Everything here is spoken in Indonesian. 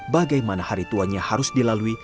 bagaimana hari tuanya harus dilalui